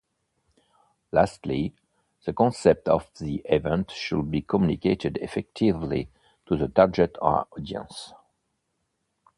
Lastly, the concept of the event should be communicated effectively to the target audience.